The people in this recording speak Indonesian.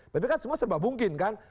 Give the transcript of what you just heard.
tapi kan semua serba mungkin kan